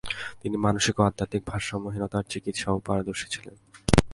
তিনি মানসিক ও আধ্যাত্মিক ভারসাম্যহীনতার চিকিৎসায়ও পারদর্শী ছিলেন।